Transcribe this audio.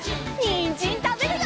にんじんたべるよ！